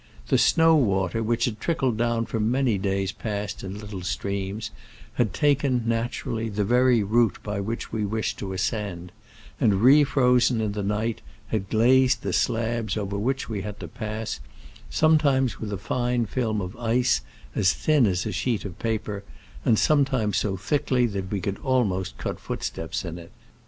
The snow water, which had trickled down for many days past in little streams, had taken, naturally, the very route by which we wished to ascend ; and, re frozen in the night, had glazed the slabs over which we had to pass — sometimes with a fine film of ice as thin as a sheet of paper, and sometimes so thickly that we could almost cut footsteps in it.